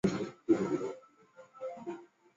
明命十六年成为皇长子长庆公府妾。